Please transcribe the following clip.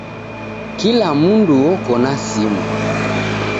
Kila mundu oko na simu